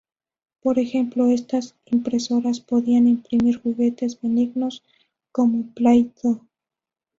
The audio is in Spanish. Por ejemplo, estas impresoras podían imprimir juguetes benignos como Play-Doh.